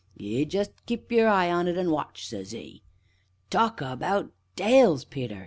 'Ye jest keep your eye on it, an' watch!' says 'e. Talk about tails, Peter!